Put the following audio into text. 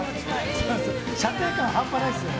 舎弟感、半端ないですね。